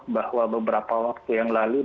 bahwa beberapa waktu yang lalu